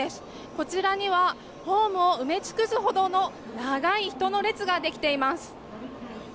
こちらにはホームを埋め尽くすほどの長い人の列が出来ています。